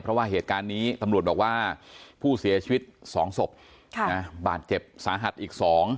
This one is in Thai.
เพราะว่าเหตุการณ์นี้ตำรวจบอกว่าผู้เสียชีวิต๒ศพบาดเจ็บสาหัสอีก๒